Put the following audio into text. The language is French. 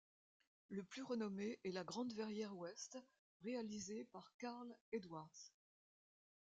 Le plus renommé est la grande verrière ouest, réalisée par Carl Edwards.